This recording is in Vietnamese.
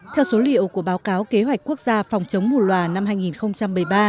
theo số liệu của báo cáo kế hoạch quốc gia phòng chống mù loà năm hai nghìn một mươi ba